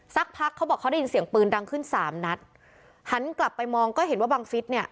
สักพักเขาบอกเขาได้ยินเสียงปืนดังขึ้นสามนัดหันกลับไปมองก็เห็นว่าบังฟิศเนี่ย